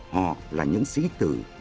họ là những sĩ tử